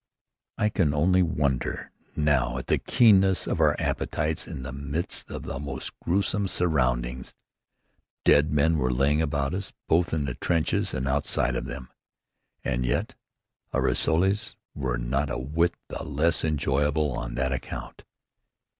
I can only wonder now at the keenness of our appetites in the midst of the most gruesome surroundings. Dead men were lying about us, both in the trenches and outside of them. And yet our rissoles were not a whit the less enjoyable on that account.